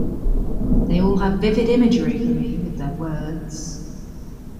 They all have vivid imagery for me with their words.